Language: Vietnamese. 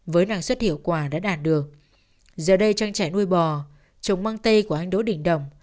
với năng suất hiệu quả đã đạt được giờ đây trang trại nuôi bò trồng mang tây của anh đỗ đình đồng